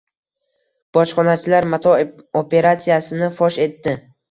Bojxonachilar “mato” operatsiyasini fosh etdi